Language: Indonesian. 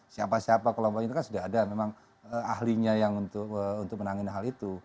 siapa siapa kelompok itu kan sudah ada memang ahlinya yang untuk menangin hal itu